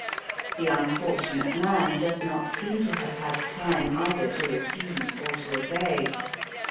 The unfortunate man does not seem to have had time either to refuse or to obey.